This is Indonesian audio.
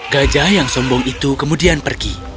gajah yang sombong itu kemudian pergi